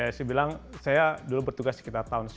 ya saya bilang saya dulu bertugas sekitar tahun sembilan puluh an